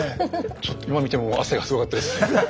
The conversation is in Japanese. ちょっと今見ても汗がすごかったです。